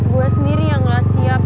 gue sendiri yang gak siap